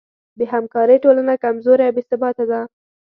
بېهمکارۍ ټولنه کمزورې او بېثباته ده.